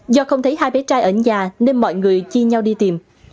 do không thấy hai bé trai ở nhà nên mọi người chia nhau đi tìm